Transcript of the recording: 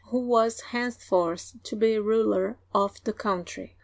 who was henceforth to be ruler of the country.